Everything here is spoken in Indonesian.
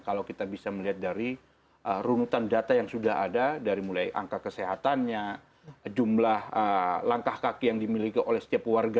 kalau kita bisa melihat dari runutan data yang sudah ada dari mulai angka kesehatannya jumlah langkah kaki yang dimiliki oleh setiap warga